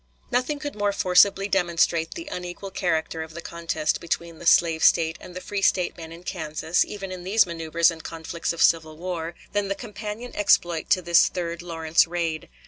Nothing could more forcibly demonstrate the unequal character of the contest between the slave State and the free State men in Kansas, even in these manoeuvres and conflicts of civil war, than the companion exploit to this third Lawrence raid.